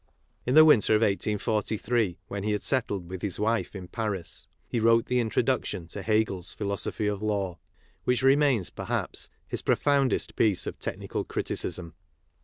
In the winter of 184;^, when he had settled with his wife in Paris, he wrote the introducJ tion to Hegel's ^^i^2££^^J:L_£i_L2H' which remains,! perhaps, his profoundestpiece of technical criti cism.